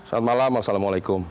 selamat malam wassalamu'alaikum